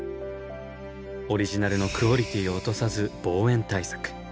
オリジナルのクオリティを落とさず防煙対策。